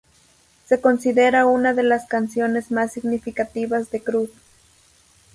Se considera una de las canciones más significativas de Cruz.